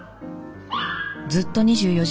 ずっと２４時間